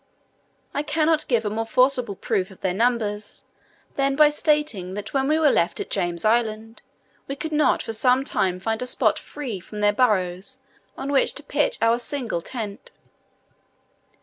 I cannot give a more forcible proof of their numbers, than by stating that when we were left at James Island, we could not for some time find a spot free from their burrows on which to pitch our single tent.